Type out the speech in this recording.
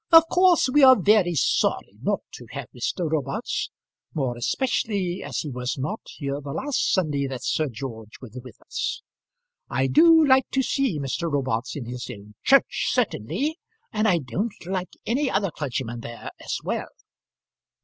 Of course, we are very sorry not to have Mr. Robarts; more especially as he was not here the last Sunday that Sir George was with us. I do like to see Mr. Robarts in his own church, certainly; and I don't like any other clergyman there as well.